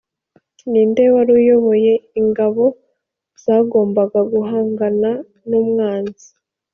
ninde wari uyoboye ingabo zagombaga guhangana n'umwanzi?